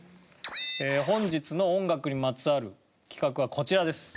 本日の音楽にまつわる企画はこちらです。